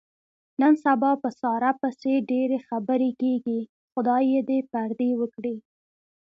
نن سبا په ساره پسې ډېرې خبرې کېږي. خدای یې دې پردې و کړي.